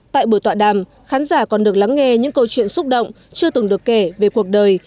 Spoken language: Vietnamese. tại buổi tọa đàm khán giả còn được lắng nghe những câu chuyện xúc động chưa từng được kể về cuộc đời